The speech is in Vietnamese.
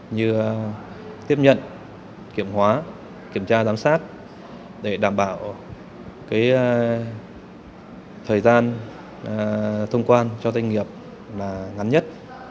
như tiếp nhận kiểm hóa kiểm tra giám sát để đảm bảo thời gian thông quan cho doanh nghiệp là ngắn nhất